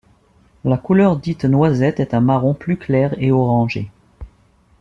La couleur dite noisette est un marron plus clair et orangé.